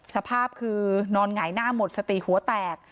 สภาพคือนอนหงายหน้าหมดสติหัวแตก